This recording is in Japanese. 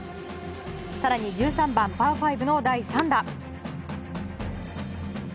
更に１３番、パー５の第３打。